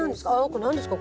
これ何ですか？